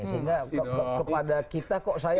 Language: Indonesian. sehingga kepada kita kok saya